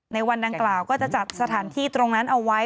ในวันดังกล่าวก็จะจัดสถานที่ตรงนั้นเอาไว้